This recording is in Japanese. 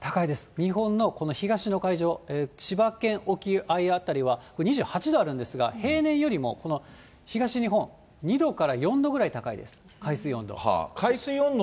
日本のこの東の海上、千葉県沖合辺りは、２８度あるんですが、平年よりもこの東日本、２度から４度ぐらい高いです、海水温度。